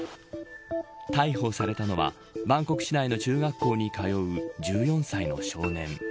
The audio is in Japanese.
逮捕されたのはバンコク市内の中学校に通う１４歳の少年。